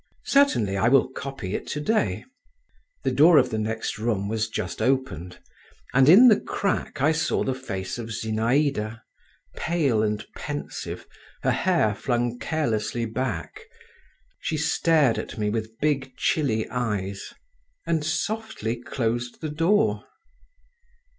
"Certainly, I will copy it to day." The door of the next room was just opened, and in the crack I saw the face of Zinaïda, pale and pensive, her hair flung carelessly back; she stared at me with big chilly eyes, and softly closed the door.